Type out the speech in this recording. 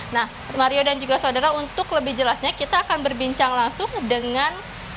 nah mario dan juga saudara untuk lebih jelasnya kita akan berbincang langsung dengan